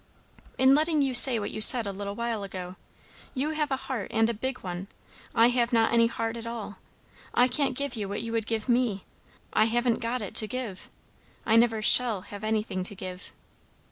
"In letting you say what you said a little while ago. You have a heart, and a big one. I have not any heart at all. I can't give you what you would give me; I haven't got it to give. I never shall have anything to give."